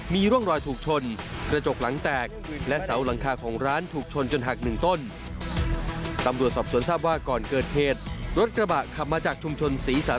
มีร่องลอยถูกชน